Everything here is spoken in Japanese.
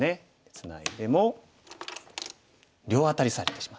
ツナいでも両アタリされてしまって。